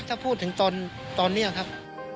ถ้าพูดถึงตอนนี้ครับ